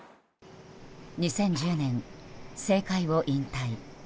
２０１０年、政界を引退。